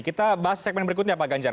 kita bahas segmen berikutnya pak ganjar